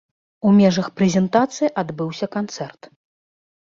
У межах прэзентацыі адбыўся канцэрт.